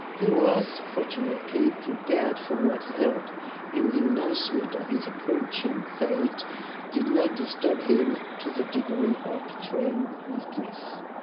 He was fortunately prepared for what he heard, and the announcement of his approaching fate did not disturb him to the degree of betraying weakness.